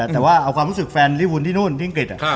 แต่ว่าเอาความรู้สึกแฟนลิวุ่นที่นู่นที่อังกฤษ